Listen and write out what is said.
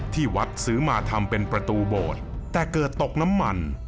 ที่วัดซื้อมาทำเป็นประตูโบสถ์แต่เกิดตกน้ำมัน